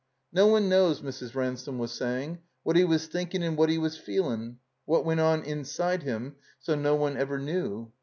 "No one knows," Mrs. Ransome was saying, "what 'E was thinking and what 'E was feeling — what went on inside him no one ever knew.